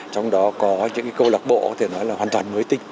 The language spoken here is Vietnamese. trong đó có những câu lạc bộ có thể nói là hoàn toàn mới tinh